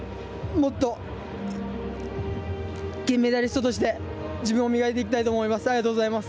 もっと金メダリストとして自分を磨いていきたいと思います。